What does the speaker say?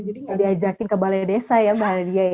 jadi diajakin ke balai desa ya